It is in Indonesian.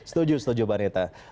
setuju setuju bangita